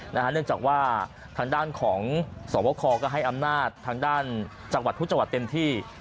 เนื่องจากว่าทางด้านของสวบคก็ให้อำนาจทางด้านจังหวัดทุกจังหวัดเต็มที่